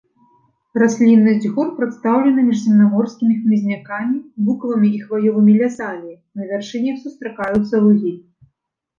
Расліннасць гор прадстаўлена міжземнаморскімі хмызнякамі, букавымі і хваёвымі лясамі, на вяршынях сустракаюцца лугі.